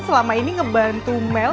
selama ini membantu mel